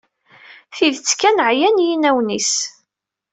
Tidet kan, ɛyan yinawen-is.